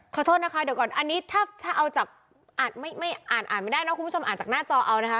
ขอโทษนะคะเดี๋ยวก่อนอันนี้ถ้าเอาจากไม่อ่านอ่านไม่ได้นะคุณผู้ชมอ่านจากหน้าจอเอานะคะ